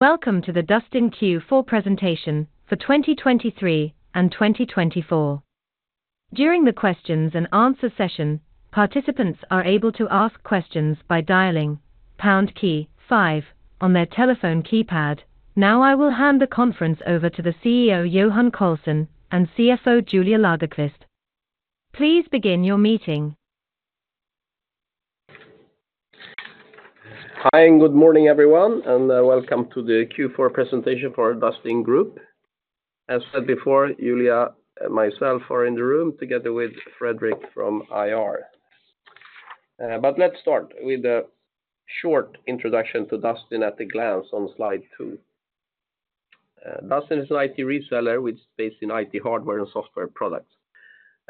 Welcome to the Dustin Q4 Presentation for 2023 and 2024. During the Q&A session, participants are able to ask questions by dialing #5 on their telephone keypad. Now I will hand the conference over to the CEO, Johan Karlsson, and CFO, Julia Lagerqvist. Please begin your meeting Hi, and good morning, everyone, and welcome to the Q4 presentation for Dustin Group. As said before, Julia and myself are in the room together with Fredrik from IR. But let's start with a short introduction to Dustin at a glance on slide two. Dustin is an IT reseller which is based in IT hardware and software products.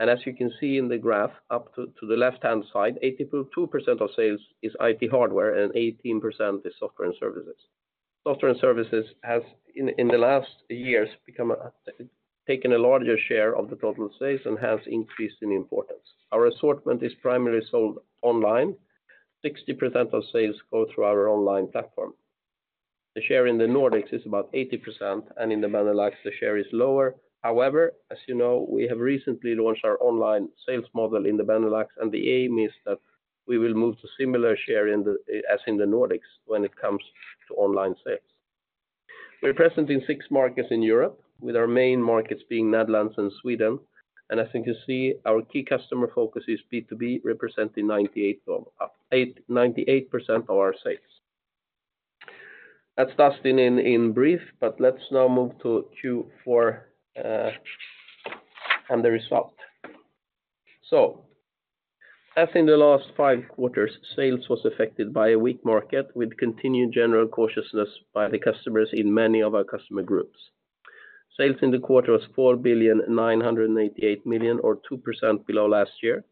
And as you can see in the graph, up to the left-hand side, 82% of sales is IT hardware and 18% is software and services. Software and services has, in the last years, taken a larger share of the total sales and has increased in importance. Our assortment is primarily sold online. 60% of sales go through our online platform. The share in the Nordics is about 80%, and in the Benelux, the share is lower. However, as you know, we have recently launched our online sales model in the Benelux, and the aim is that we will move to a similar share as in the Nordics when it comes to online sales. We're present in six markets in Europe, with our main markets being Netherlands and Sweden. As you can see, our key customer focus is B2B, representing 98% of our sales. That's Dustin in brief, but let's now move to Q4 and the result. As in the last five quarters, sales was affected by a weak market with continued general cautiousness by the customers in many of our customer groups. Sales in the quarter was 4,988 million, or 2% below last year.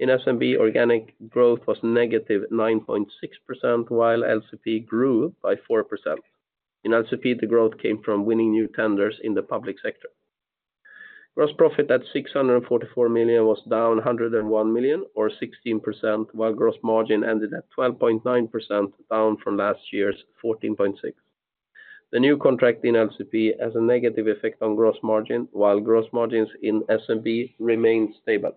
In SMB, organic growth was negative 9.6%, while LCP grew by 4%. In LCP, the growth came from winning new tenders in the public sector. Gross profit at 644 million was down 101 million, or 16%, while gross margin ended at 12.9%, down from last year's 14.6%. The new contract in LCP has a negative effect on gross margin, while gross margins in SMB remained stable.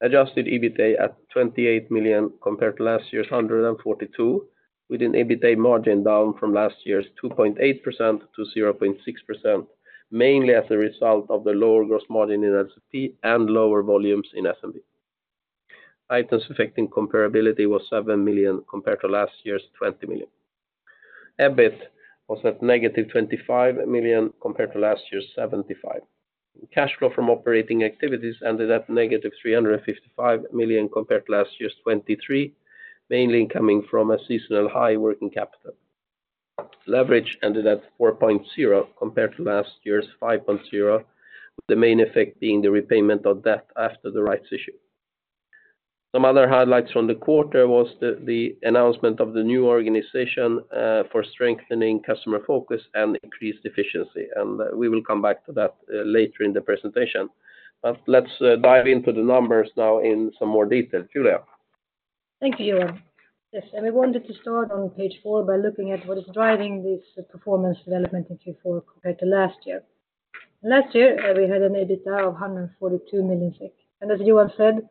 Adjusted EBITDA at 28 million compared to last year's 142 million, with an EBITDA margin down from last year's 2.8% to 0.6%, mainly as a result of the lower gross margin in LCP and lower volumes in SMB. Items affecting comparability were 7 million compared to last year's 20 million. EBIT was at negative 25 million compared to last year's 75 million. Cash flow from operating activities ended at negative 355 million compared to last year's 23 million, mainly coming from a seasonal high working capital. Leverage ended at 4.0 compared to last year's 5.0, with the main effect being the repayment of debt after the rights issue. Some other highlights from the quarter were the announcement of the new organization for strengthening customer focus and increased efficiency, and we will come back to that later in the presentation, but let's dive into the numbers now in some more detail, Julia. Thank you, Johan. Yes, and we wanted to start on page four by looking at what is driving this performance development in Q4 compared to last year. Last year, we had an EBITDA of 142 million. And as Johan said,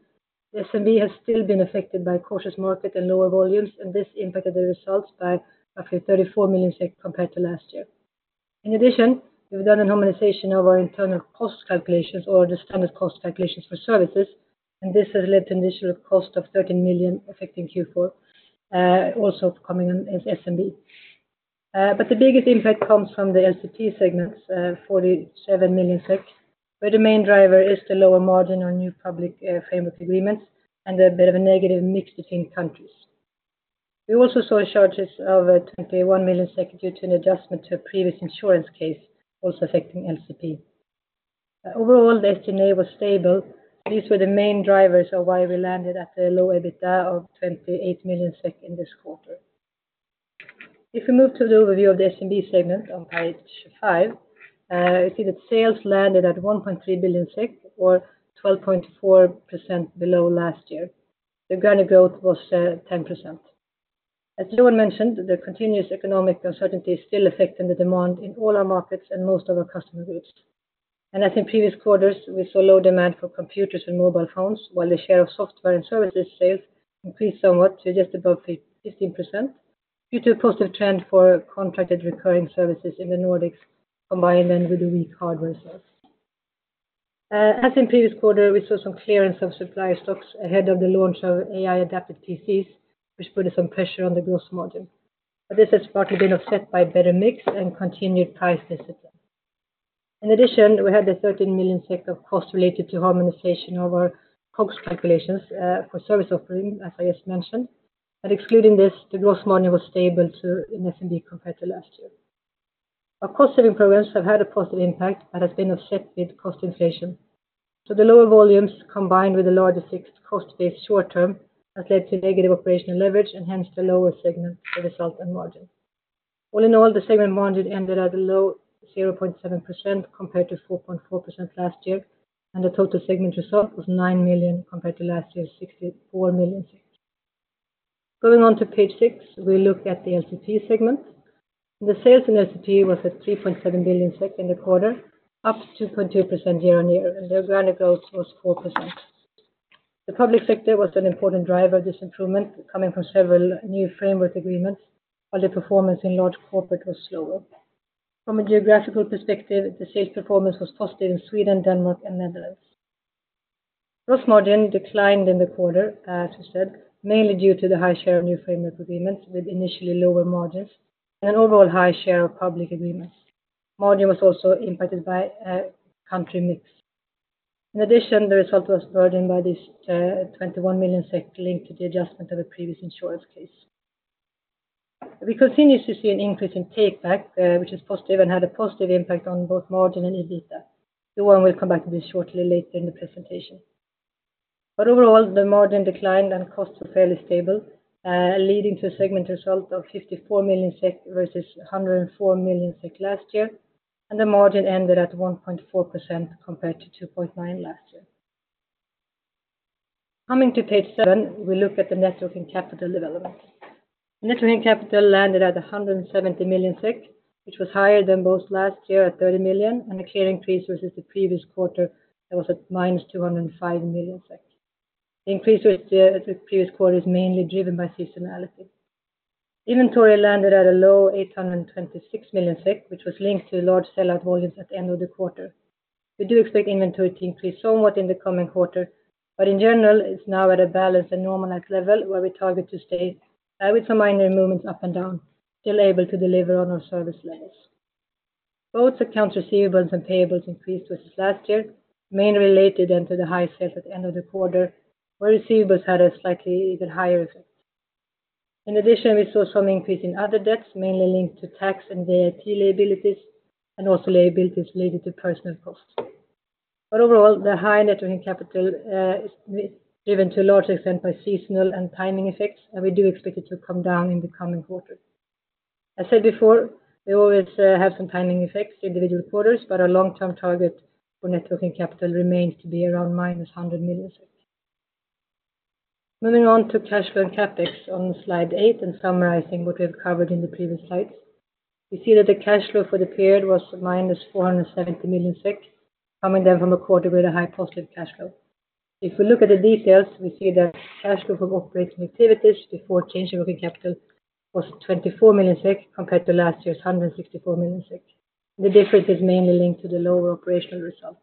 the SMB has still been affected by a cautious market and lower volumes, and this impacted the results by roughly 34 million compared to last year. In addition, we've done a normalization of our internal cost calculations, or the standard cost calculations for services, and this has led to an additional cost of 13 million affecting Q4, also coming on SMB. But the biggest impact comes from the LCP segments, 47 million SEK, where the main driver is the lower margin on new public framework agreements and a bit of a negative mix between countries. We also saw charges of 21 million due to an adjustment to a previous insurance case, also affecting LCP. Overall, the SG&A was stable, and these were the main drivers of why we landed at a low EBITDA of 28 million SEK in this quarter. If we move to the overview of the SMB segment on page five, we see that sales landed at 1.3 billion, or 12.4% below last year. The organic growth was 10%. As Johan mentioned, the continuous economic uncertainty is still affecting the demand in all our markets and most of our customer groups. As in previous quarters, we saw low demand for computers and mobile phones, while the share of software and services sales increased somewhat to just above 15% due to a positive trend for contracted recurring services in the Nordics, combined then with the weak hardware sales. As in previous quarter, we saw some clearance of supplier stocks ahead of the launch of AI-adapted PCs, which put some pressure on the gross margin. But this has partly been offset by a better mix and continued price discipline. In addition, we had the 13 million SEK of cost related to harmonization of our cost calculations for service offering, as I just mentioned. But excluding this, the gross margin was stable in SMB compared to last year. Our cost-saving programs have had a positive impact but have been offset with cost inflation. So the lower volumes, combined with the larger fixed cost base short-term, have led to negative operational leverage, and hence the lower segment result and margin. All in all, the segment margin ended at a low 0.7% compared to 4.4% last year, and the total segment result was 9 million compared to last year's 64 million. Going on to page six, we look at the LCP segment. The sales in LCP was at 3.7 billion in the quarter, up 2.2% year-on-year, and their organic growth was 4%. The public sector was an important driver of this improvement, coming from several new framework agreements, while the performance in Large Corporate was slower. From a geographical perspective, the sales performance was positive in Sweden, Denmark, and Netherlands. Gross margin declined in the quarter, as we said, mainly due to the high share of new framework agreements with initially lower margins and an overall high share of public agreements. Margin was also impacted by country mix. In addition, the result was burdened by this 21 million linked to the adjustment of a previous insurance case. We continuously see an increase in take-back, which is positive and had a positive impact on both margin and EBITDA. Johan will come back to this shortly later in the presentation. But overall, the margin declined and costs were fairly stable, leading to a segment result of 54 million SEK versus 104 million SEK last year, and the margin ended at 1.4% compared to 2.9% last year. Coming to page seven, we look at the working capital development. The working capital landed at 170 million SEK, which was higher than both last year at 30 million, and a clear increase versus the previous quarter that was at minus 205 million SEK. The increase with the previous quarter is mainly driven by seasonality. Inventory landed at a low 826 million SEK, which was linked to large sellout volumes at the end of the quarter. We do expect inventory to increase somewhat in the coming quarter, but in general, it's now at a balanced and normalized level where we target to stay with some minor movements up and down, still able to deliver on our service levels. Both accounts receivable and payables increased versus last year, mainly related then to the high sales at the end of the quarter, where receivables had a slightly higher effect. In addition, we saw some increase in other debts, mainly linked to tax and VAT liabilities, and also liabilities related to personnel costs. But overall, the high working capital is driven to a large extent by seasonal and timing effects, and we do expect it to come down in the coming quarter. As said before, we always have some timing effects in individual quarters, but our long-term target for working capital remains to be around minus 100 million. Moving on to cash flow and CapEx on slide eight and summarizing what we have covered in the previous slides, we see that the cash flow for the period was -470 million SEK, coming then from a quarter with a high positive cash flow. If we look at the details, we see that cash flow from operating activities before change in working capital was 24 million SEK compared to last year's 164 million SEK. The difference is mainly linked to the lower operational result.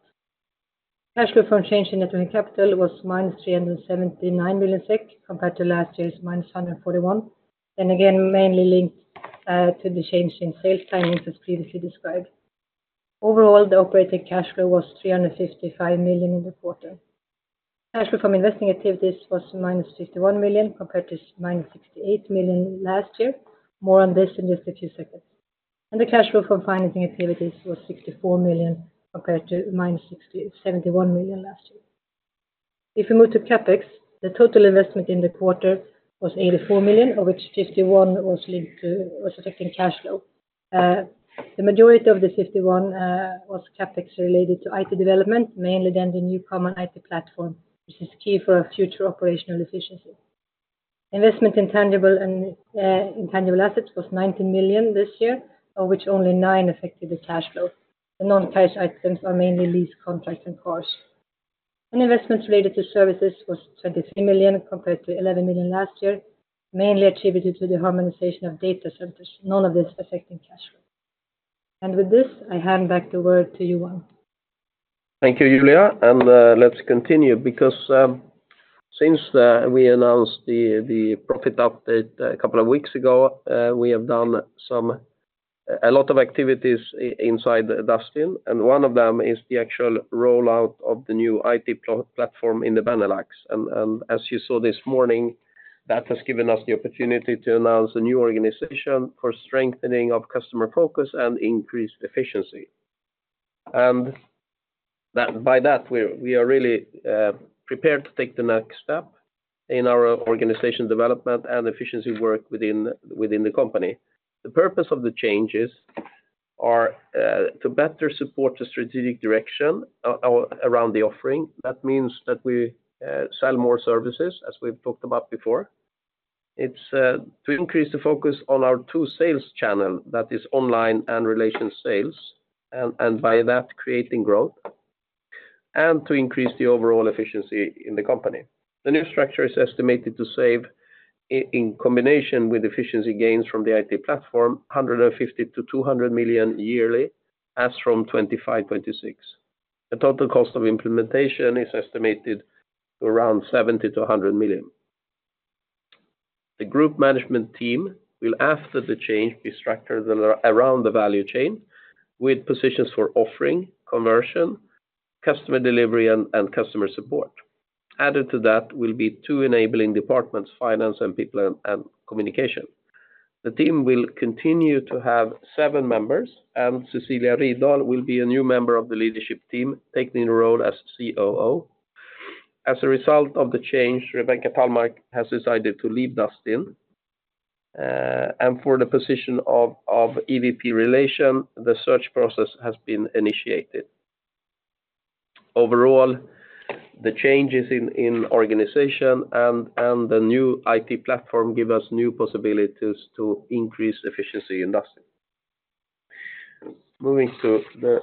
Cash flow from change in working capital was -379 million SEK compared to last year's -141 million, and again, mainly linked to the change in sales timings as previously described. Overall, the operating cash flow was 355 million in the quarter. Cash flow from investing activities was -51 million compared to -68 million last year. More on this in just a few seconds. And the cash flow from financing activities was 64 million compared to minus 71 million last year. If we move to CapEx, the total investment in the quarter was 84 million, of which 51 million was affecting cash flow. The majority of the 51 million was CapEx related to IT development, mainly then the new common IT platform, which is key for future operational efficiency. Investment in tangible assets was 19 million this year, of which only 9 million affected the cash flow. The non-cash items are mainly lease, contracts, and cars. And investments related to services was 23 million compared to 11 million last year, mainly attributed to the harmonization of data centers. None of this affecting cash flow. And with this, I hand back the word to Johan. Thank you, Julia. And let's continue because since we announced the profit update a couple of weeks ago, we have done a lot of activities inside Dustin. And one of them is the actual rollout of the new IT platform in the Benelux. And as you saw this morning, that has given us the opportunity to announce a new organization for strengthening of customer focus and increased efficiency. And by that, we are really prepared to take the next step in our organization development and efficiency work within the company. The purpose of the changes is to better support the strategic direction around the offering. That means that we sell more services, as we've talked about before. It's to increase the focus on our two sales channels that is online and relation sales, and by that, creating growth, and to increase the overall efficiency in the company. The new structure is estimated to save, in combination with efficiency gains from the IT platform, 150 million-200 million yearly, as from 2025-2026. The total cost of implementation is estimated to around 70 million-100 million. The group management team will, after the change, be structured around the value chain with positions for Offering, Conversion, Customer Delivery, and Customer Support. Added to that will be two enabling departments, Finance and People and Communication. The team will continue to have seven members, and Cecilia Ridal will be a new member of the leadership team, taking the role as COO. As a result of the change, Rebecca Tallmark has decided to leave Dustin. For the position of EVP Relation, the search process has been initiated. Overall, the changes in organization and the new IT platform give us new possibilities to increase efficiency in Dustin. Moving to the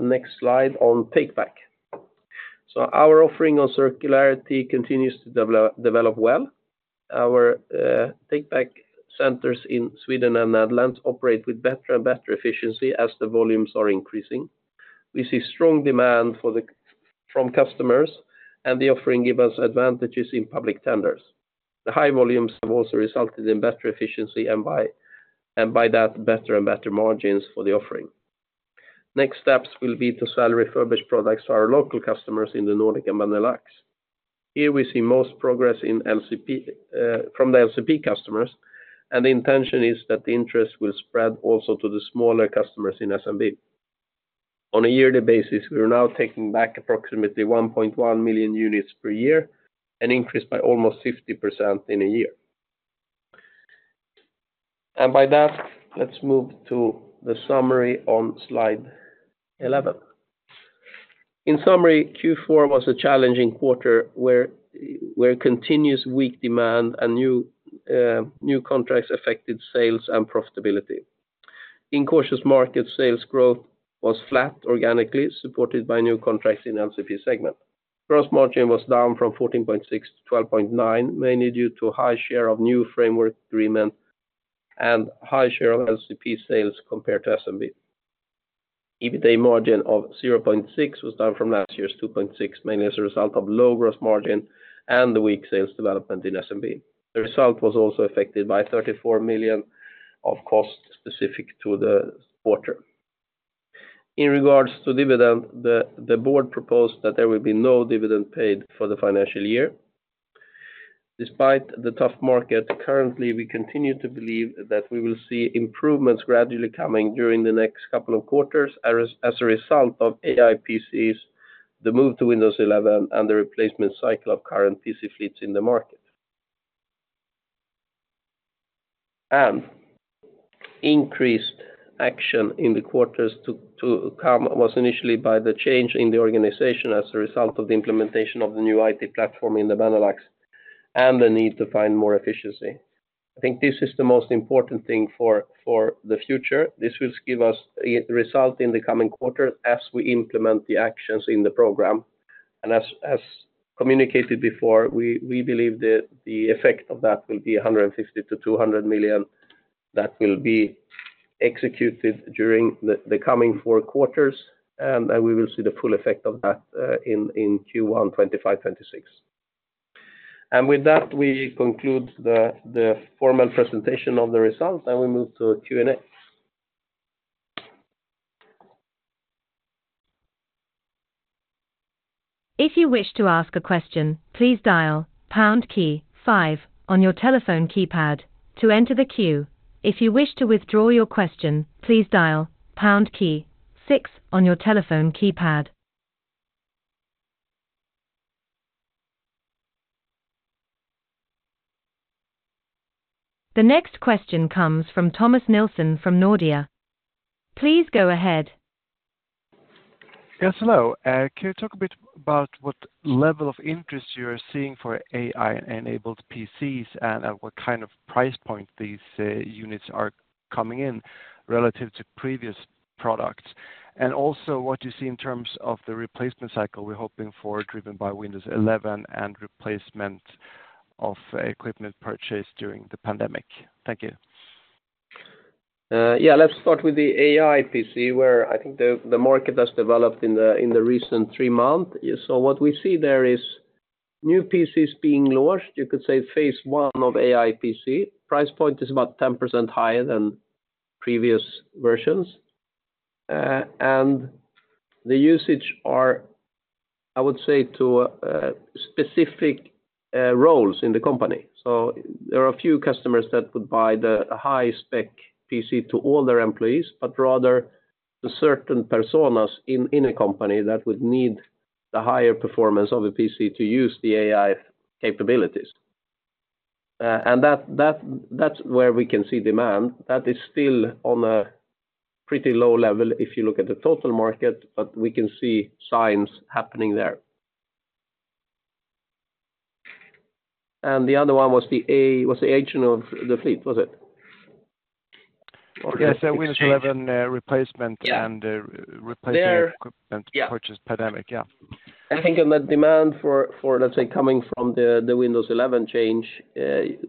next slide on take-back. So our offering on circularity continues to develop well. Our take-back centers in Sweden and Netherlands operate with better and better efficiency as the volumes are increasing. We see strong demand from customers, and the offering gives us advantages in public tenders. The high volumes have also resulted in better efficiency and by that, better and better margins for the offering. Next steps will be to sell refurbished products to our local customers in the Nordics and Benelux. Here we see most progress from the LCP customers, and the intention is that the interest will spread also to the smaller customers in SMB. On a yearly basis, we are now taking back approximately 1.1 million units per year, an increase by almost 50% in a year. And by that, let's move to the summary on slide 11. In summary, Q4 was a challenging quarter where continuous weak demand and new contracts affected sales and profitability. In cautious markets, sales growth was flat organically, supported by new contracts in LCP segment. Gross margin was down from 14.6% to 12.9%, mainly due to a high share of new framework agreements and high share of LCP sales compared to SMB. EBITDA margin of 0.6% was down from last year's 2.6%, mainly as a result of low gross margin and the weak sales development in SMB. The result was also affected by 34 million of cost specific to the quarter. In regards to dividend, the board proposed that there will be no dividend paid for the financial year. Despite the tough market, currently we continue to believe that we will see improvements gradually coming during the next couple of quarters as a result of AI PCs, the move to Windows 11, and the replacement cycle of current PC fleets in the market. And increased action in the quarters to come was initially by the change in the organization as a result of the implementation of the new IT platform in the Benelux and the need to find more efficiency. I think this is the most important thing for the future. This will give us a result in the coming quarter as we implement the actions in the program. And as communicated before, we believe that the effect of that will be 150 million-200 million that will be executed during the coming four quarters, and we will see the full effect of that in Q1 2025-2026. With that, we conclude the formal presentation of the results, and we move to Q&A. If you wish to ask a question, please dial #5 on your telephone keypad to enter the queue. If you wish to withdraw your question, please dial #6 on your telephone keypad. The next question comes from Thomas Nielsen from Nordea. Please go ahead. Yes, hello. Can you talk a bit about what level of interest you're seeing for AI-enabled PCs and at what kind of price point these units are coming in relative to previous products? And also what you see in terms of the replacement cycle we're hoping for driven by Windows 11 and replacement of equipment purchased during the pandemic? Thank you. Yeah, let's start with the AI PC where I think the market has developed in the recent three months. So what we see there is new PCs being launched, you could say phase one of AI PC. Price point is about 10% higher than previous versions. And the usage are, I would say, to specific roles in the company. So there are a few customers that would buy the high-spec PC to all their employees, but rather to certain personas in a company that would need the higher performance of a PC to use the AI capabilities. And that's where we can see demand. That is still on a pretty low level if you look at the total market, but we can see signs happening there. And the other one was the aging of the fleet, was it? Yes, Windows 11 replacement and replacement purchases post-pandemic, yeah. I think on the demand for, let's say, coming from the Windows 11 change,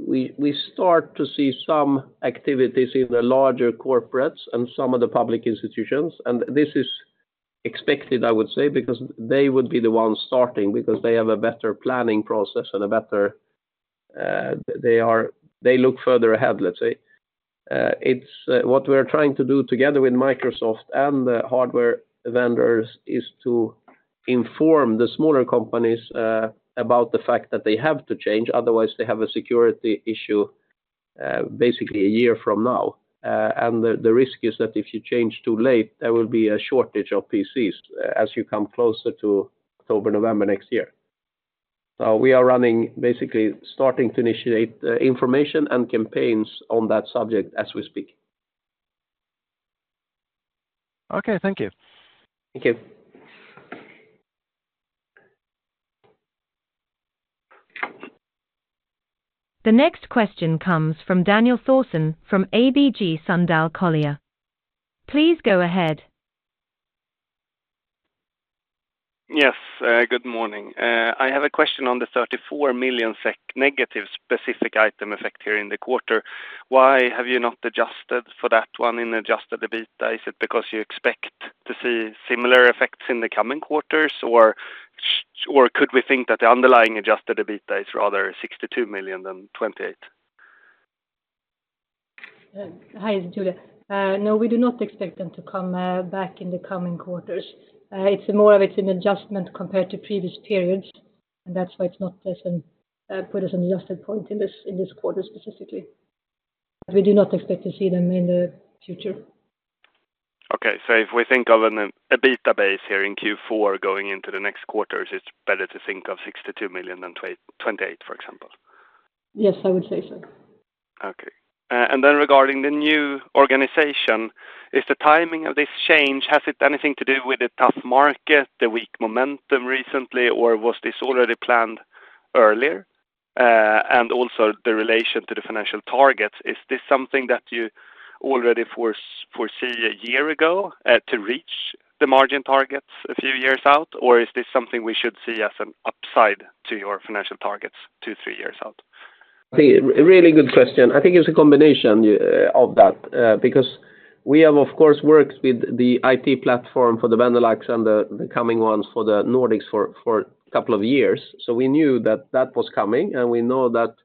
we start to see some activities in the larger corporates and some of the public institutions. And this is expected, I would say, because they would be the ones starting because they have a better planning process and a better they look further ahead, let's say. What we're trying to do together with Microsoft and the hardware vendors is to inform the smaller companies about the fact that they have to change. Otherwise, they have a security issue basically a year from now. And the risk is that if you change too late, there will be a shortage of PCs as you come closer to October, November next year. So we are running basically starting to initiate information and campaigns on that subject as we speak. Okay, thank you. Thank you. The next question comes from Daniel Thorsson from ABG Sundal Collier. Please go ahead. Yes, good morning. I have a question on the 34 million SEK negative specific item effect here in the quarter. Why have you not adjusted for that one in adjusted EBITDA? Is it because you expect to see similar effects in the coming quarters, or could we think that the underlying adjusted EBITDA is rather 62 million than 28? Hi, this is Julia. No, we do not expect them to come back in the coming quarters. It's more of an adjustment compared to previous periods, and that's why it's not put us on the adjusted EBIT in this quarter specifically. But we do not expect to see them in the future. Okay, so if we think of an EBITDA base here in Q4 going into the next quarters, it's better to think of 62 million than 28 million, for example. Yes, I would say so. Okay. And then regarding the new organization, is the timing of this change, has it anything to do with the tough market, the weak momentum recently, or was this already planned earlier? And also the relation to the financial targets, is this something that you already foresee a year ago to reach the margin targets a few years out, or is this something we should see as an upside to your financial targets two, three years out? Really good question. I think it's a combination of that because we have, of course, worked with the IT platform for the Benelux and the coming ones for the Nordics for a couple of years. So we knew that that was coming, and we know that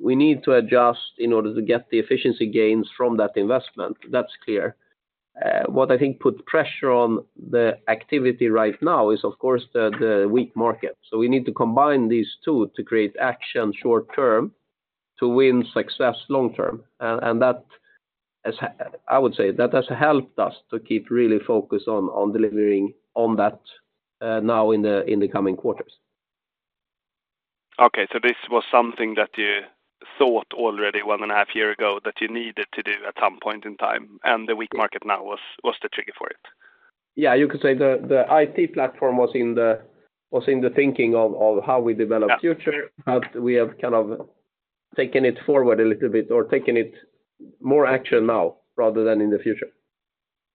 we need to adjust in order to get the efficiency gains from that investment. That's clear. What I think put pressure on the activity right now is, of course, the weak market. So we need to combine these two to create action short term to win success long term. And I would say that has helped us to keep really focused on delivering on that now in the coming quarters. Okay, so this was something that you thought already one and a half years ago that you needed to do at some point in time, and the weak market now was the trigger for it. Yeah, you could say the IT platform was in the thinking of how we develop future, but we have kind of taken it forward a little bit or taken it more action now rather than in the future.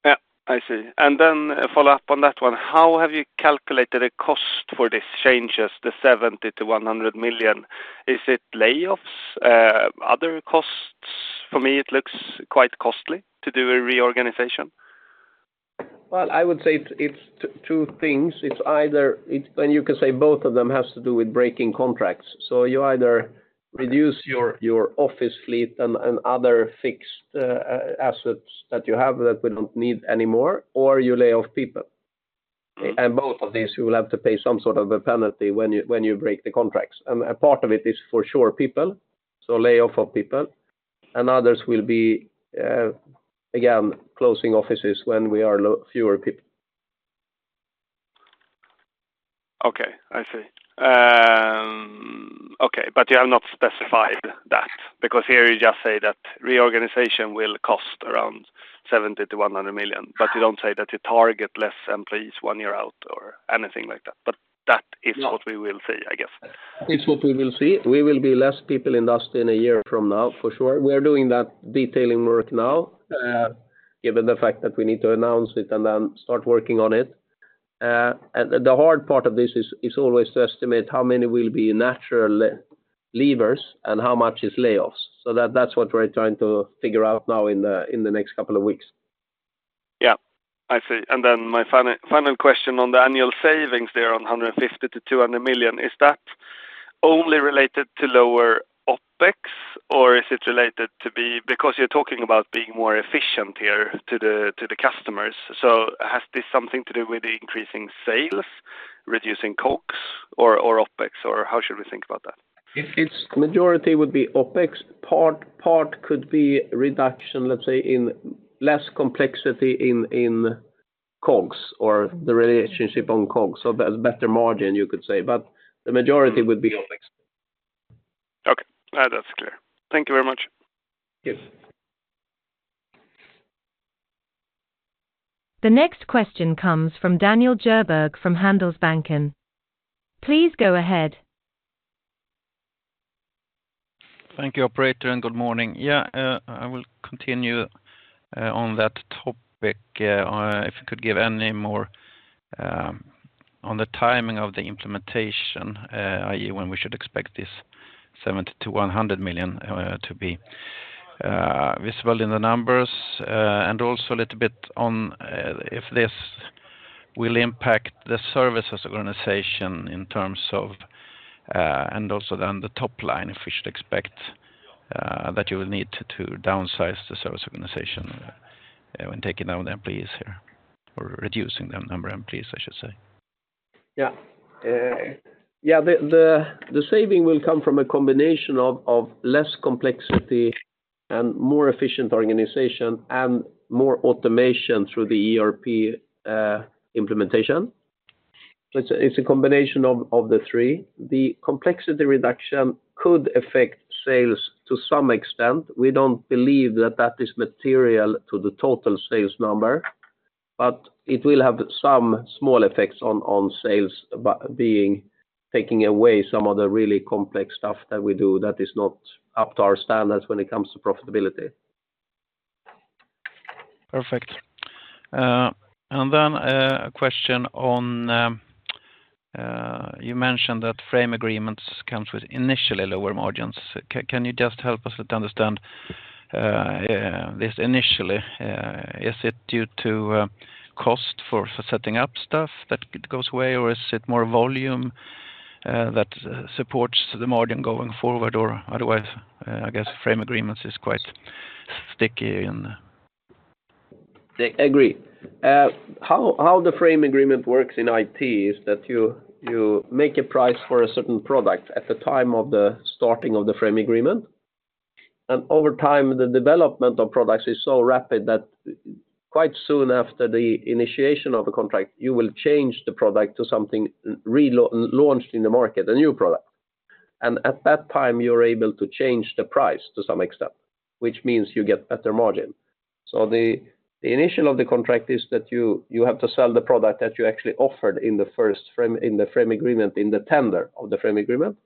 Yeah, I see. And then follow up on that one. How have you calculated the cost for these changes, the 70 million-100 million? Is it layoffs, other costs? For me, it looks quite costly to do a reorganization. Well, I would say it's two things. It's either, and you could say both of them have to do with breaking contracts. So you either reduce your office fleet and other fixed assets that you have that we don't need anymore, or you lay off people. And both of these, you will have to pay some sort of a penalty when you break the contracts. And a part of it is for sure people, so lay off of people. And others will be, again, closing offices when we are fewer people. Okay, I see. Okay, but you have not specified that because here you just say that reorganization will cost around 70 million to 100 million, but you don't say that you target less employees one year out or anything like that. But that is what we will see, I guess. It's what we will see. We will be less people in Dustin a year from now, for sure. We're doing that detailing work now, given the fact that we need to announce it and then start working on it. The hard part of this is always to estimate how many will be natural levers and how much is layoffs. So that's what we're trying to figure out now in the next couple of weeks. Yeah, I see. And then my final question on the annual savings there on 150 million-200 million, is that only related to lower OPEX, or is it related to be because you're talking about being more efficient here to the customers? So has this something to do with increasing sales, reducing COGS, or OPEX, or how should we think about that? Its majority would be OPEX. Part could be reduction, let's say, in less complexity in COGS or the relationship on COGS, so there's better margin, you could say. But the majority would be OPEX. Okay, that's clear. Thank you very much. Yes. The next question comes from Daniel Djurberg from Handelsbanken. Please go ahead. Thank you, operator, and good morning. Yeah, I will continue on that topic. If you could give any more on the timing of the implementation, i.e., when we should expect this 70 million-100 million to be visible in the numbers, and also a little bit on if this will impact the services organization in terms of, and also then the top line, if we should expect that you will need to downsize the service organization when taking down the employees here or reducing the number of employees, I should say. Yeah. Yeah, the saving will come from a combination of less complexity and more efficient organization and more automation through the ERP implementation. It's a combination of the three. The complexity reduction could affect sales to some extent. We don't believe that that is material to the total sales number, but it will have some small effects on sales by taking away some of the really complex stuff that we do that is not up to our standards when it comes to profitability. Perfect. And then a question on you mentioned that framework agreements come with initially lower margins. Can you just help us to understand this initially? Is it due to cost for setting up stuff that goes away, or is it more volume that supports the margin going forward, or otherwise, I guess framework agreements is quite sticky in? I agree. How the framework agreement works in IT is that you make a price for a certain product at the time of the starting of the framework agreement, and over time, the development of products is so rapid that quite soon after the initiation of a contract, you will change the product to something launched in the market, a new product. And at that time, you're able to change the price to some extent, which means you get better margin, so the initial of the contract is that you have to sell the product that you actually offered in the framework agreement in the tender of the framework agreement,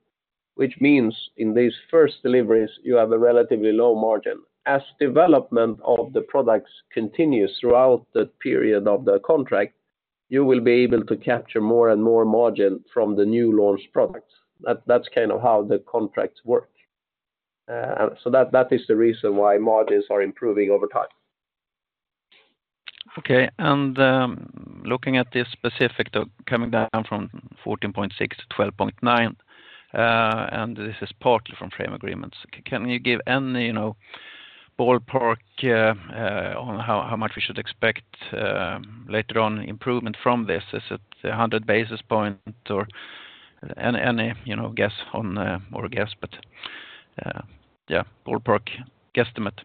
which means in these first deliveries, you have a relatively low margin. As development of the products continues throughout the period of the contract, you will be able to capture more and more margin from the new launch products. That's kind of how the contracts work. So that is the reason why margins are improving over time. Okay, and looking at this specific coming down from 14.6% to 12.9%, and this is partly from framework agreements. Can you give any ballpark on how much we should expect later on improvement from this? Is it 100 basis points or any guess on more guess, but yeah, ballpark guesstimate?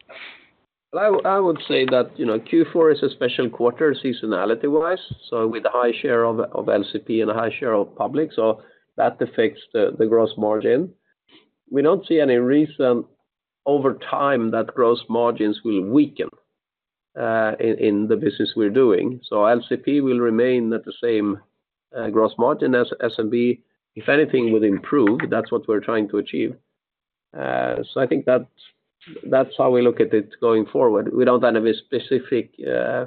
I would say that Q4 is a special quarter seasonality-wise, so with a high share of LCP and a high share of public, so that affects the gross margin. We don't see any reason over time that gross margins will weaken in the business we're doing. So LCP will remain at the same gross margin as SMB. If anything would improve, that's what we're trying to achieve. So I think that's how we look at it going forward. We don't have a specific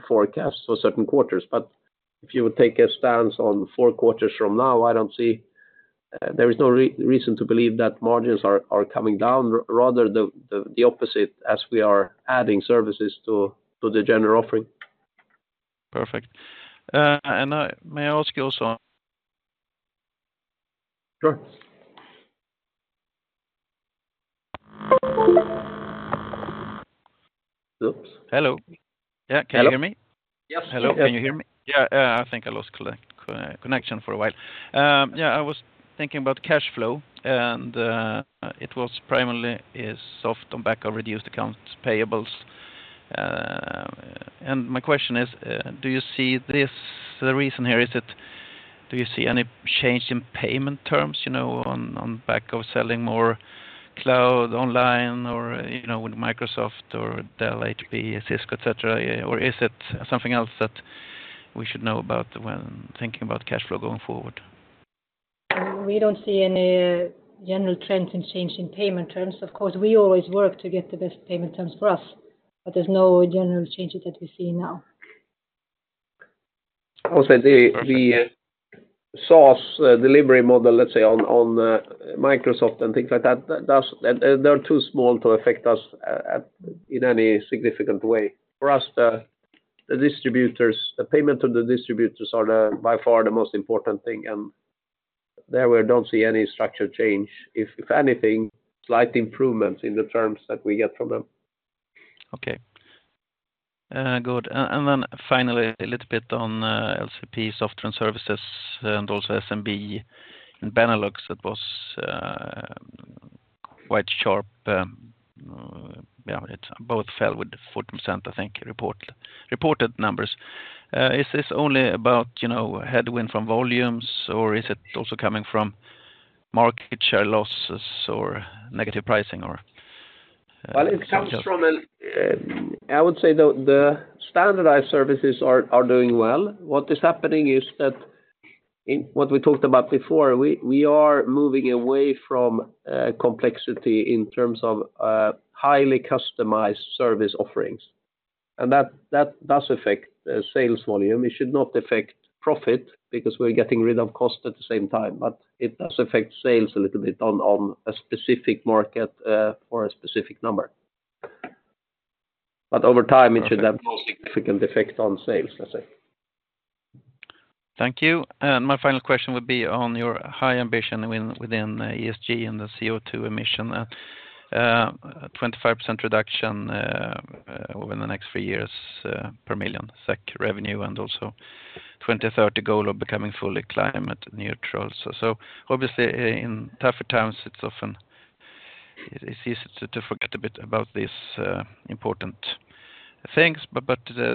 forecast for certain quarters, but if you would take a stance on four quarters from now, I don't see there is no reason to believe that margins are coming down, rather the opposite as we are adding services to the general offering. Perfect, and may I ask you also? Sure. Oops. Hello. Yeah, can you hear me? Yes. Hello, can you hear me? Yeah, I think I lost connection for a while. Yeah, I was thinking about cash flow, and it was primarily soft on back of reduced accounts payables. And my question is, do you see this the reason here is it do you see any change in payment terms on back of selling more cloud online or with Microsoft or Dell, HP, Cisco, etc.? Or is it something else that we should know about when thinking about cash flow going forward? We don't see any general trends in change in payment terms. Of course, we always work to get the best payment terms for us, but there's no general changes that we see now. I would say the SaaS delivery model, let's say, on Microsoft and things like that, they're too small to affect us in any significant way. For us, the distributors, the payment to the distributors are by far the most important thing, and there we don't see any structure change. If anything, slight improvements in the terms that we get from them. Okay, good. And then finally, a little bit on LCP, software and services, and also SMB and Benelux, it was quite sharp. Yeah, it both fell with 40%, I think, reported numbers. Is this only about headwind from volumes, or is it also coming from market share losses or negative pricing, or? It comes from, I would say, the standardized services are doing well. What is happening is that what we talked about before, we are moving away from complexity in terms of highly customized service offerings. That does affect sales volume. It should not affect profit because we're getting rid of cost at the same time, but it does affect sales a little bit on a specific market for a specific number. Over time, it should have no significant effect on sales, let's say. Thank you, and my final question would be on your high ambition within ESG and the CO2 emission and 25% reduction over the next three years per million SEK revenue and also 2030 goal of becoming fully climate neutral. So obviously, in tougher times, it's often easy to forget a bit about these important things, but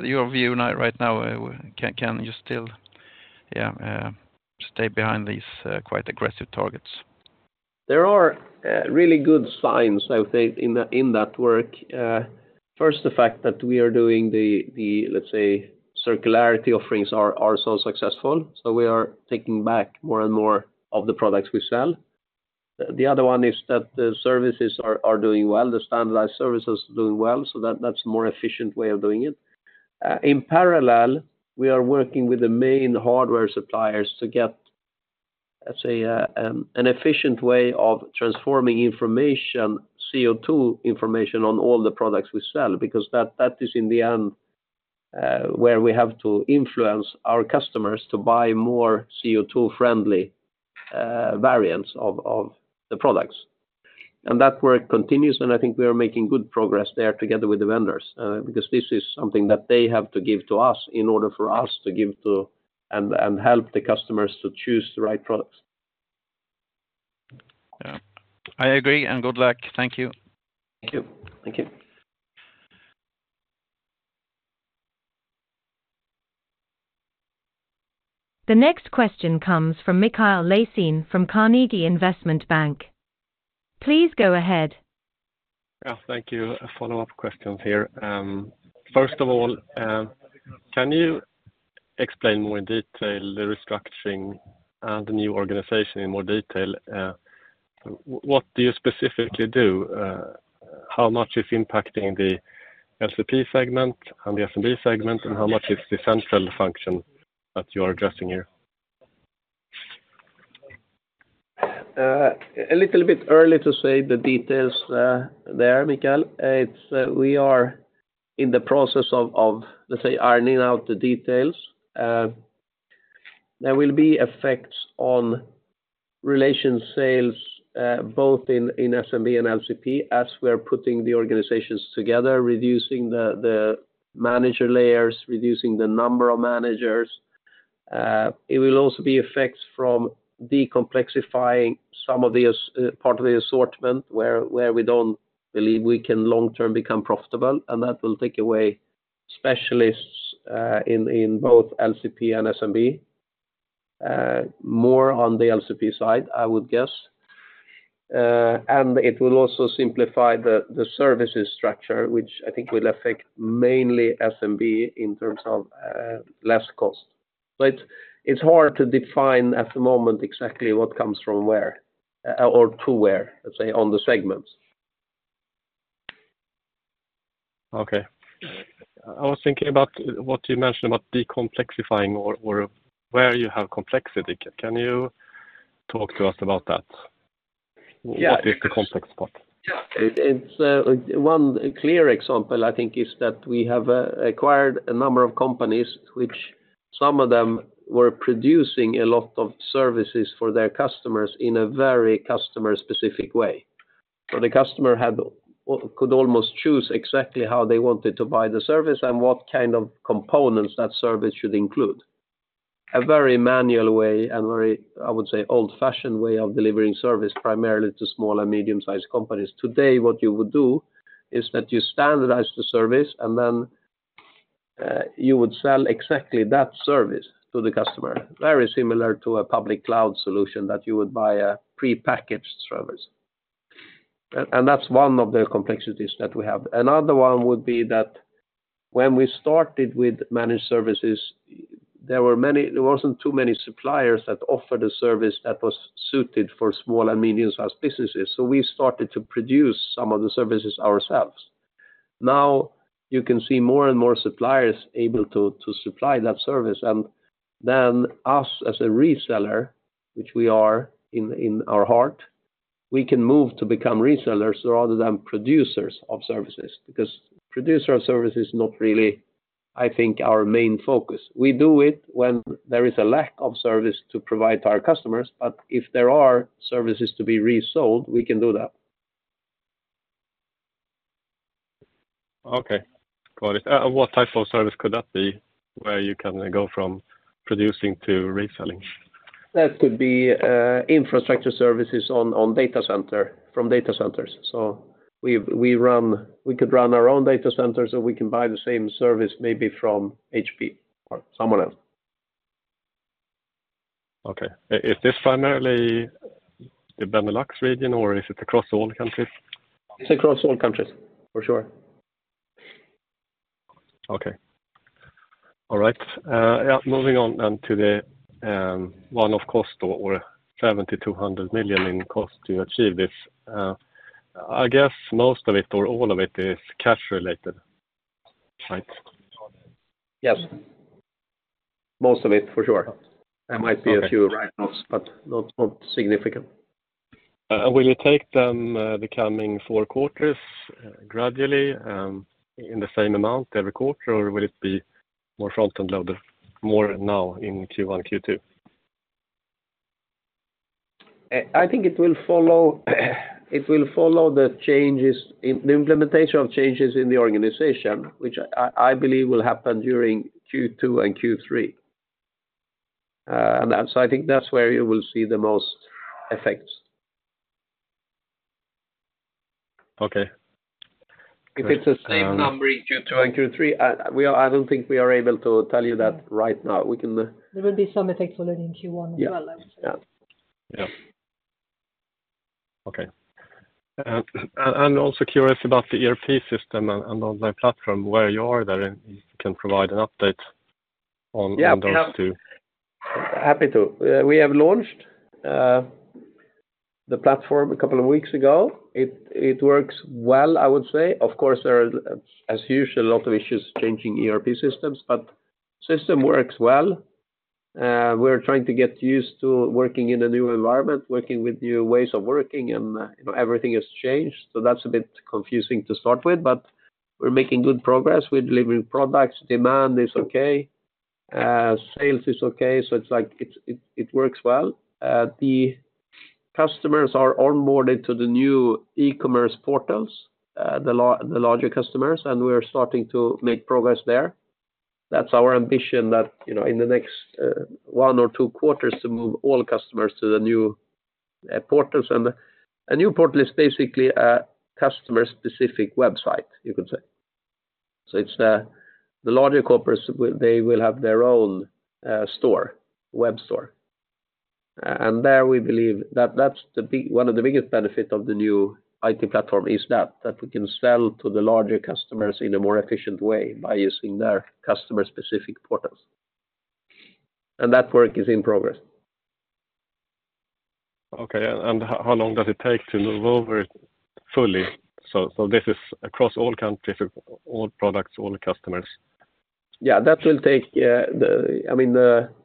your view right now, can you still, yeah, stay behind these quite aggressive targets? There are really good signs, I would say, in that work. First, the fact that we are doing the, let's say, circularity offerings are so successful. So we are taking back more and more of the products we sell. The other one is that the services are doing well. The standardized services are doing well. So that's a more efficient way of doing it. In parallel, we are working with the main hardware suppliers to get, let's say, an efficient way of transforming information, CO2 information on all the products we sell because that is, in the end, where we have to influence our customers to buy more CO2-friendly variants of the products. That work continues, and I think we are making good progress there together with the vendors because this is something that they have to give to us in order for us to give to and help the customers to choose the right products. Yeah, I agree, and good luck. Thank you. Thank you. Thank you. The next question comes from Mikael Laséen from Carnegie Investment Bank. Please go ahead. Yeah, thank you. A follow-up question here. First of all, can you explain more in detail the restructuring and the new organization in more detail? What do you specifically do? How much is impacting the LCP segment and the SMB segment, and how much is the central function that you are addressing here? A little bit early to say the details there, Mikael. We are in the process of, let's say, ironing out the details. There will be effects on regional sales both in SMB and LCP as we are putting the organizations together, reducing the manager layers, reducing the number of managers. It will also be effects from decomplexifying some of the part of the assortment where we don't believe we can long-term become profitable, and that will take away specialists in both LCP and SMB, more on the LCP side, I would guess, and it will also simplify the services structure, which I think will affect mainly SMB in terms of less cost, but it's hard to define at the moment exactly what comes from where or to where, let's say, on the segments. Okay. I was thinking about what you mentioned about decomplexifying or where you have complexity. Can you talk to us about that? What is the complex part? Yeah. It's one clear example, I think, is that we have acquired a number of companies, which some of them were producing a lot of services for their customers in a very customer-specific way. So the customer could almost choose exactly how they wanted to buy the service and what kind of components that service should include. A very manual way and very, I would say, old-fashioned way of delivering service primarily to small and medium-sized companies. Today, what you would do is that you standardize the service, and then you would sell exactly that service to the customer, very similar to a public cloud solution that you would buy a pre-packaged service. And that's one of the complexities that we have. Another one would be that when we started with managed services, there weren't too many suppliers that offered a service that was suited for small and medium-sized businesses. So we started to produce some of the services ourselves. Now you can see more and more suppliers able to supply that service. And then us as a reseller, which we are in our heart, we can move to become resellers rather than producers of services because producer of services is not really, I think, our main focus. We do it when there is a lack of service to provide to our customers, but if there are services to be resold, we can do that. Okay. Got it. What type of service could that be where you can go from producing to reselling? That could be infrastructure services in data centers from data centers. So we could run our own data centers, so we can buy the same service maybe from HP or someone else. Okay. Is this primarily the Benelux region, or is it across all countries? It's across all countries, for sure. Okay. All right. Yeah, moving on then to the one-off cost of 70-100 million in cost to achieve this. I guess most of it or all of it is cash-related, right? Yes. Most of it, for sure. There might be a few write-offs, but not significant. Will you take them the coming four quarters gradually in the same amount every quarter, or will it be more front-end loaded, more now in Q1, Q2? I think it will follow the changes in the implementation of changes in the organization, which I believe will happen during Q2 and Q3. And so I think that's where you will see the most effects. Okay. If it's the same number in Q2 and Q3, I don't think we are able to tell you that right now. We can. There will be some effects already in Q1 as well, I would say. Yeah. Okay. And also curious about the ERP system and online platform, where you are there if you can provide an update on those two? Happy to. We have launched the platform a couple of weeks ago. It works well, I would say. Of course, there are, as usual, a lot of issues changing ERP systems, but the system works well. We're trying to get used to working in a new environment, working with new ways of working, and everything has changed. So that's a bit confusing to start with, but we're making good progress. We're delivering products. Demand is okay. Sales is okay. So it works well. The customers are onboarded to the new e-commerce portals, the larger customers, and we are starting to make progress there. That's our ambition that in the next one or two quarters to move all customers to the new portals. And a new portal is basically a customer-specific website, you could say. So it's the larger corporates, they will have their own store, web store. There we believe that that's one of the biggest benefits of the new IT platform is that we can sell to the larger customers in a more efficient way by using their customer-specific portals. That work is in progress. Okay. And how long does it take to move over fully? So this is across all countries, all products, all customers. Yeah, that will take time. I mean,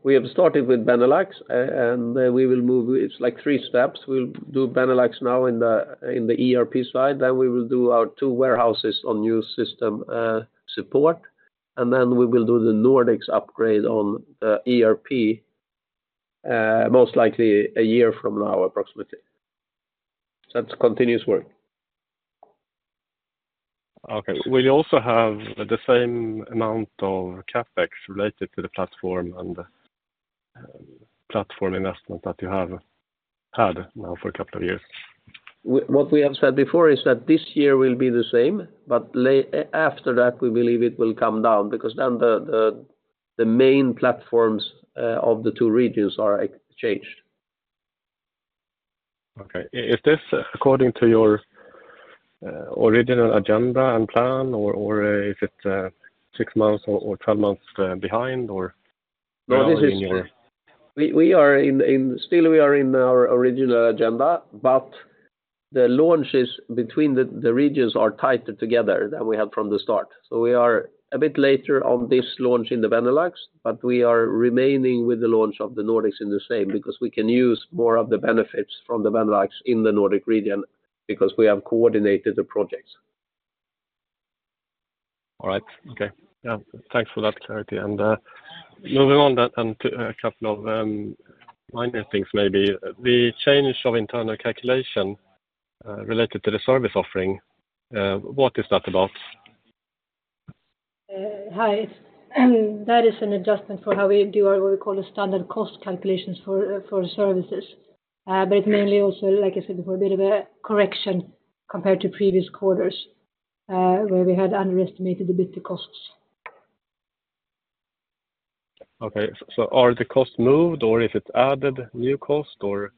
we have started with Benelux, and we will move. It's like three steps. We'll do Benelux now in the ERP side. Then we will do our two warehouses on new system support. And then we will do the Nordics upgrade on the ERP, most likely a year from now, approximately. So that's continuous work. Okay. Will you also have the same amount of CapEx related to the platform and platform investment that you have had now for a couple of years? What we have said before is that this year will be the same, but after that, we believe it will come down because then the main platforms of the two regions are changed. Okay. Is this according to your original agenda and plan, or is it six months or twelve months behind, or? No, this is still we are in our original agenda, but the launches between the regions are tighter together than we had from the start. So we are a bit later on this launch in the Benelux, but we are remaining with the launch of the Nordics in the same because we can use more of the benefits from the Benelux in the Nordic region because we have coordinated the projects. All right. Okay. Yeah. Thanks for that clarity. And moving on then to a couple of minor things maybe. The change of internal calculation related to the service offering, what is that about? Hi. That is an adjustment for how we do what we call standard cost calculations for services. But it's mainly also, like I said before, a bit of a correction compared to previous quarters where we had underestimated a bit the costs. Okay. So are the costs moved, or is it added new cost, or?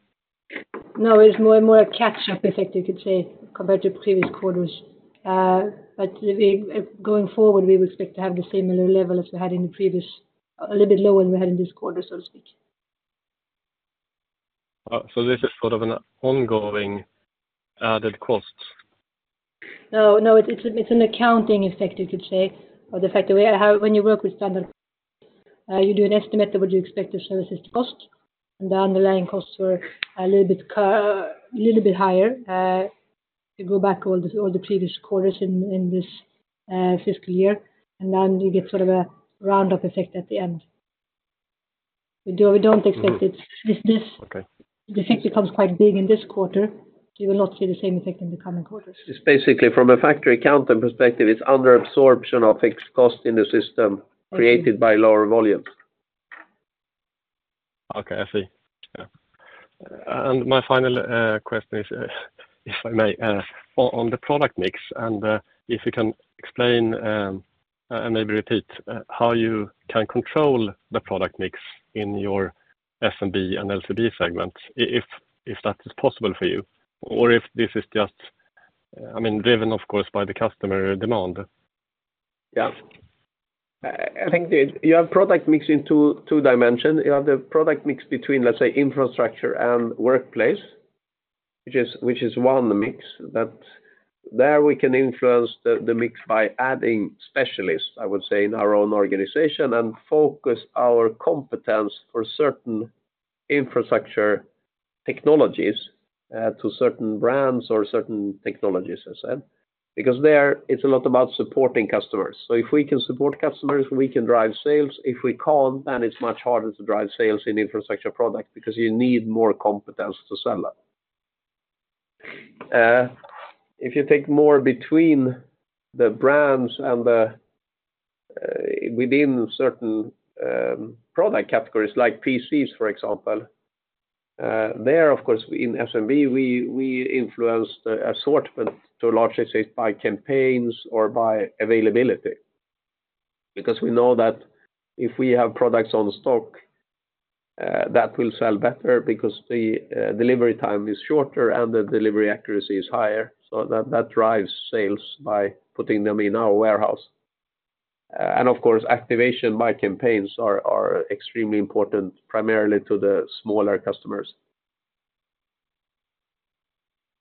No, it's more a catch-up effect, you could say, compared to previous quarters. But going forward, we would expect to have the similar level as we had in the previous, a little bit lower than we had in this quarter, so to speak. So this is sort of an ongoing added cost? No, no. It's an accounting effect, you could say, of the fact that when you work with standard costs, you do an estimate of what you expect the services to cost. And the underlying costs were a little bit higher. You go back all the previous quarters in this fiscal year, and then you get sort of a roundup effect at the end. We don't expect it. The effect becomes quite big in this quarter. You will not see the same effect in the coming quarters. It's basically from a factory accounting perspective, it's underabsorption of fixed cost in the system created by lower volumes. Okay. I see. Yeah. And my final question is, if I may, on the product mix and if you can explain and maybe repeat how you can control the product mix in your SMB and LCP segments, if that is possible for you, or if this is just, I mean, driven, of course, by the customer demand. Yeah. I think you have product mix in two dimensions. You have the product mix between, let's say, infrastructure and workplace, which is one mix. That there we can influence the mix by adding specialists, I would say, in our own organization and focus our competence for certain infrastructure technologies to certain brands or certain technologies, as I said, because there it's a lot about supporting customers. So if we can support customers, we can drive sales. If we can't, then it's much harder to drive sales in infrastructure products because you need more competence to sell that. If you take more between the brands and within certain product categories like PCs, for example, there, of course, in SMB, we influence the assortment to a large extent by campaigns or by availability because we know that if we have products on stock, that will sell better because the delivery time is shorter and the delivery accuracy is higher. So that drives sales by putting them in our warehouse. And of course, activation by campaigns are extremely important, primarily to the smaller customers.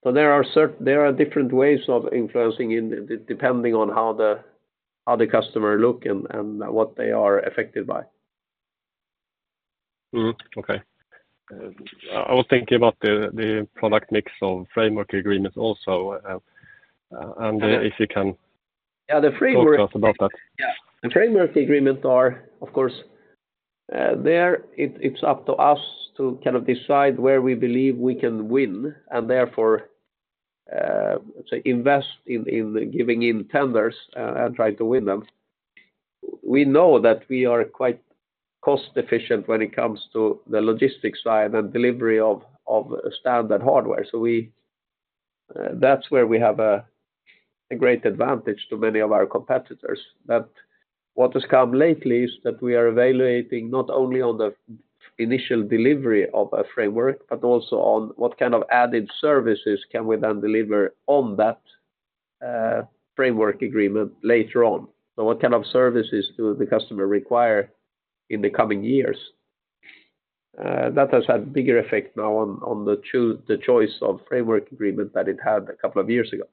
So there are different ways of influencing depending on how the customer looks and what they are affected by. Okay. I was thinking about the product mix of framework agreements also. And if you can talk to us about that? Yeah. The framework agreements are, of course, there. It's up to us to kind of decide where we believe we can win and therefore invest in giving in tenders and try to win them. We know that we are quite cost-efficient when it comes to the logistics side and delivery of standard hardware. So that's where we have a great advantage to many of our competitors. But what has come lately is that we are evaluating not only on the initial delivery of a framework, but also on what kind of added services can we then deliver on that framework agreement later on. So what kind of services do the customer require in the coming years? That has had a bigger effect now on the choice of framework agreement than it had a couple of years ago.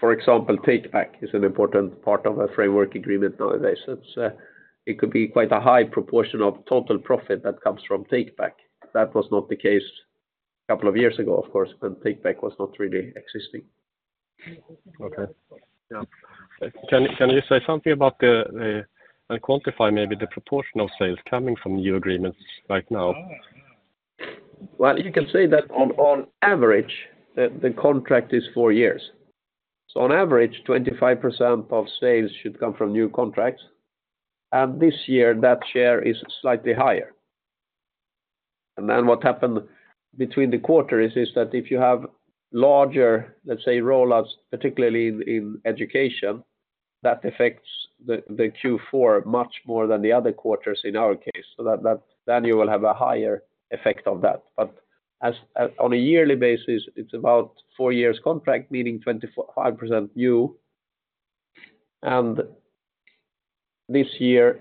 For example, take-back is an important part of a framework agreement nowadays. It could be quite a high proportion of total profit that comes from take-back. That was not the case a couple of years ago, of course, when take-back was not really existing. Okay. Yeah. Can you say something about and quantify maybe the proportion of sales coming from new agreements right now? You can say that on average, the contract is four years. On average, 25% of sales should come from new contracts. This year, that share is slightly higher. Then what happened between the quarters is that if you have larger, let's say, rollouts, particularly in education, that affects the Q4 much more than the other quarters in our case. Then you will have a higher effect of that. On a yearly basis, it's about four years contract, meaning 25% new. This year,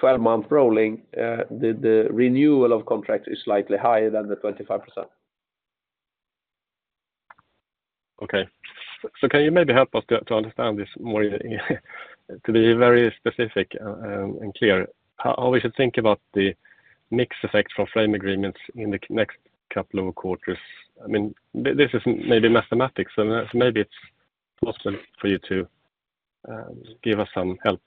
12-month rolling, the renewal of contracts is slightly higher than the 25%. Okay. So can you maybe help us to understand this more to be very specific and clear how we should think about the mix effect from framework agreements in the next couple of quarters? I mean, this is maybe mathematics, so maybe it's possible for you to give us some help.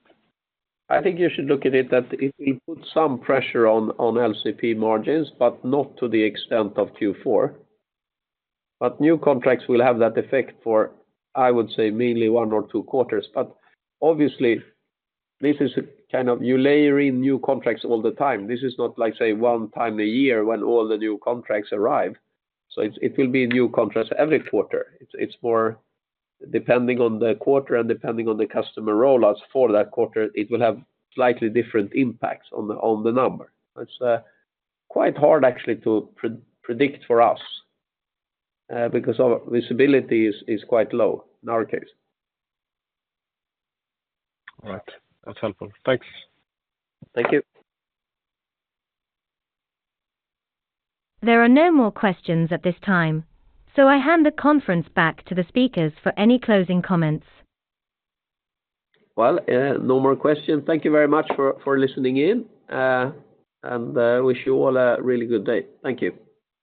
I think you should look at it that it will put some pressure on LCP margins, but not to the extent of Q4, but new contracts will have that effect for, I would say, mainly one or two quarters, but obviously, this is kind of you layer in new contracts all the time. This is not like, say, one time a year when all the new contracts arrive, so it will be new contracts every quarter. It's more depending on the quarter and depending on the customer rollouts for that quarter, it will have slightly different impacts on the number. It's quite hard, actually, to predict for us because visibility is quite low in our case. All right. That's helpful. Thanks. Thank you. There are no more questions at this time, so I hand the conference back to the speakers for any closing comments. No more questions. Thank you very much for listening in, and I wish you all a really good day. Thank you.